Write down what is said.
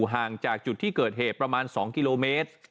ห่างจากจุดที่เกิดเหตุประมาณ๒กิโลเมตร